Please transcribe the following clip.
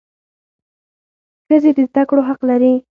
ښځي د زده کړو حق لري.